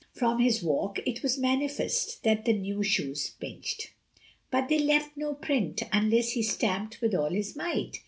From his walk it was manifest that the new shoes pinched. But they left no print unless he stamped with all his might.